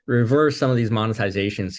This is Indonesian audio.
membalas beberapa skema monetisasi ini